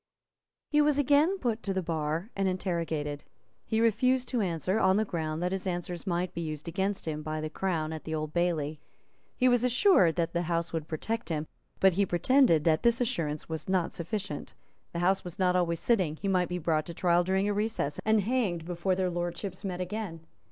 He was again put to the bar and interrogated. He refused to answer, on the ground that his answers might be used against him by the Crown at the Old Bailey. He was assured that the House would protect him; but he pretended that this assurance was not sufficient; the House was not always sitting; he might be brought to trial during a recess, and hanged before their Lordships met again.